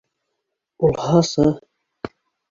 Булһасы...